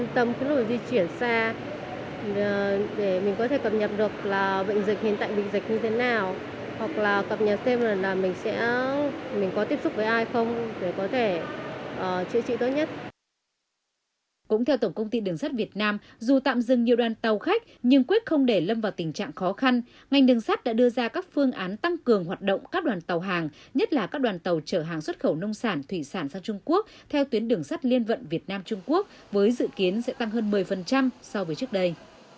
theo lãnh đạo tổng công ty đường sắt việt nam dù tạm dừng nhiều đoàn tàu khách nhưng quyết không để lâm vào tình trạng khó khăn ngành đường sắt đã đưa ra các phương án tăng cường hoạt động các đoàn tàu hàng nhất là các đoàn tàu trở hàng xuất khẩu nông sản thủy sản sang trung quốc theo tuyến đường sắt liên vận việt nam trung quốc với dự kiến sẽ tăng hơn một mươi so với trước đây